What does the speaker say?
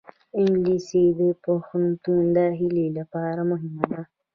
انګلیسي د پوهنتون داخلې لپاره مهمه ده